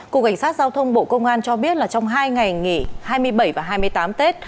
cục cảnh sát giao thông bộ công an cho biết là trong hai ngày nghỉ hai mươi bảy và hai mươi tám tết